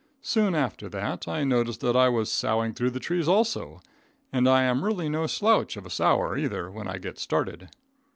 Soon after that, I noticed that I was soughing through the trees also, and I am really no slouch of a sougher, either, when I get started.